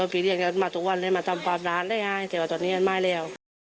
พี่เรียกมาทุกวันเลยมาทำฟังร้านเลยไงแต่ว่าตอนนี้ไม่แล้ว